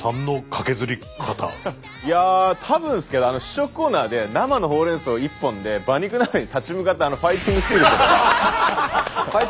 いやあたぶんですけど試食コーナーで生のほうれんそう一本で馬肉鍋に立ち向かったファイティングスピリットね。